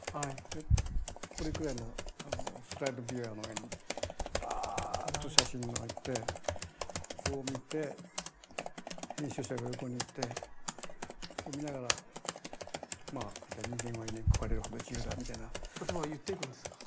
でこれぐらいのスライドビューアーの上にバーッと写真を置いてこう見て編集者が横にいてで見ながら「ニンゲンは犬に食われるほど自由だ。」みたいな。言葉を言っていくんですか？